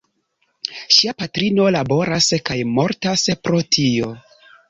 Ŝia patrino laboras kaj mortas pro tio.